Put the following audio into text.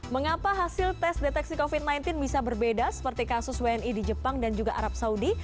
mengapa hasil tes deteksi covid sembilan belas bisa berbeda seperti kasus wni di jepang dan juga arab saudi